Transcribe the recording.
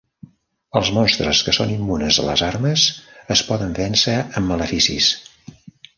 Els monstres que són immunes a les armes es poden vèncer amb maleficis.